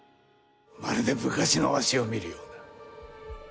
まるで昔のわしを見るような。